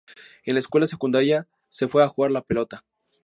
En la escuela secundaria, se fue a jugar a la pelota.